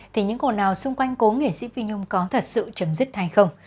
thì những hồn nào xung quanh cô nghệ sĩ phi nhung có thật sự chấm dứt hay không